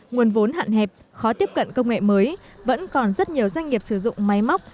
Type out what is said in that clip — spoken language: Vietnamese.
nguồn vốn hạn hẹp khó tiếp cận công nghệ mới vẫn còn rất nhiều doanh nghiệp sử dụng máy móc